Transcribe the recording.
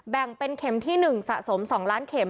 แบ่งเป็นเข็มที่๑สะสม๒ล้านเข็ม